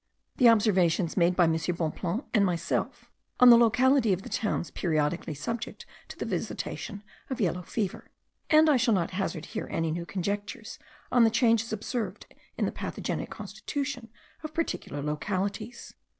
the observations made by M. Bonpland and myself on the locality of the towns periodically subject to the visitation of yellow fever; and I shall not hazard here any new conjectures on the changes observed in the pathogenic constitution of particular localities.